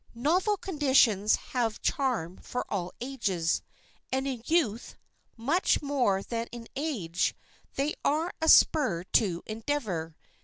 Novel conditions have charm for all ages, and in youth, much more than in age, they are a spur to endeavor.